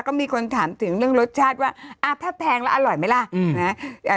ก็มีคนถามถึงเรื่องรสชาติว่าถ้าแพงแล้วอร่อยไหมล่ะ